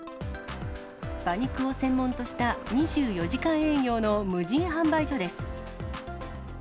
馬肉を専門とした２４時間営業の無人販売所です。